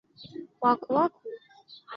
母邹氏。